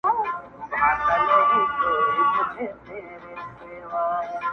چي و دي نه پوښتي، مه گډېږه.